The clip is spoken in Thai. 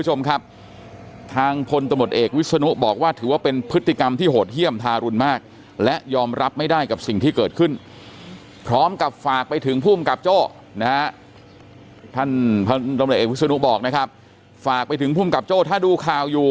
จริงจริงจริงจริงจริงจริงจริงจริงจริงจริงจริงจริงจริงจริงจริง